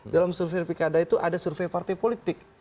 dalam survei pilkada itu ada survei partai politik